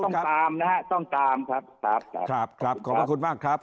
ต้องตามนะฮะต้องตามครับขอบคุณมากครับ